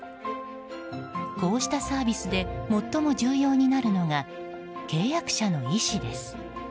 こうしたサービスで最も重要になるのが契約者の意思です。